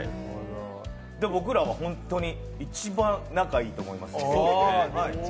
僕らは本当に一番仲いいと思います。